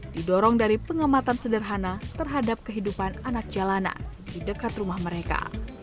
didorong dari pengamatan sederhana terhadap kehidupan anak jalanan di dekat rumah mereka